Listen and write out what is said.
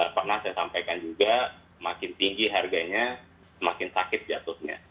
pernah saya sampaikan juga semakin tinggi harganya semakin sakit jatuhnya